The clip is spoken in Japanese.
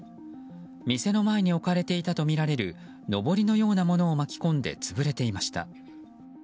店の前に置かれていたとみられるのぼりのようなものを巻き込んで潰れていました。